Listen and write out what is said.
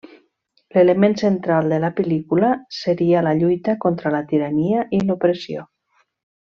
L'element central de la pel·lícula seria la lluita contra la tirania i l'opressió.